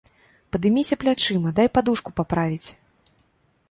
Падыміся плячыма, дай падушку паправіць.